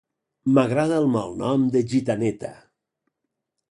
M'agrada el malnom de gitaneta